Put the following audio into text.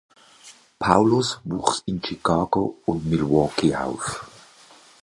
Paulos wuchs in Chicago und Milwaukee auf.